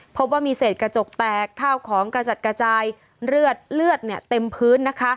พบว่ามีเสร็จกระจกแตกข้าวของกระจัดกระจายเลือดเนี่ยเต็มพื้น